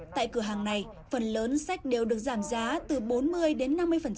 tại cửa hàng này phần lớn sách đều được giảm giá từ bốn mươi đến năm mươi